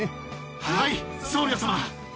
はい、僧侶様。